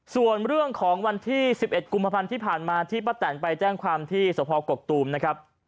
ส่วนเรื่องของวันที่๑๑กุมภาพันธ์ที่ผ่านมาที่ป้าแตนไปแจ้งความที่สภกกตูมนะครับ